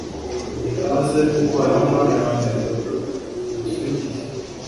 maze Uhoraho Mana yanjye ngusingize